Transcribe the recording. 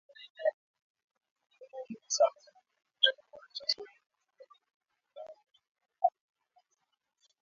Bain Omugisa amesema kwamba hatua hiyo imechochewa na ongezeko la vifo kutokana na uchafuzi wa hewa ulimwenguni